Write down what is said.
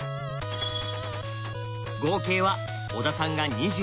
合計は小田さんが２０。